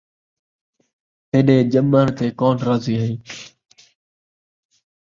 تیݙے ڄمݨ تے کون راضی ہئی